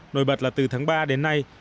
nổi bật là từ tháng ba đến nay